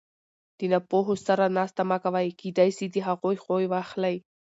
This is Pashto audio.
د ناپوهو سره ناسته مه کوئ! کېداى سي د هغو خوى واخلى!